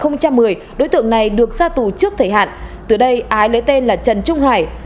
năm hai nghìn một mươi đối tượng này được ra tù trước thời hạn từ đây ái lấy tên là trần trung hải